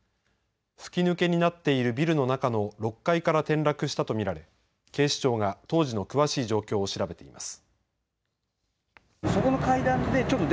吹き抜けになっているビルの中の６階から転落したとみられ警視庁が当時の詳しい状況を調べています。